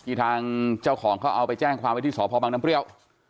กี่ทางเจ้าของเขาว่าไปแจ้งความว่าที่สอบพอบางน้ำเปรี้ยว